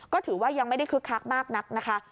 ก็ถือว่ายังไม่ได้คึกคักมากนักนะคะ